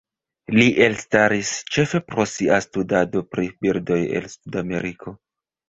Li elstaris ĉefe pro sia studado pri birdoj el Sudameriko.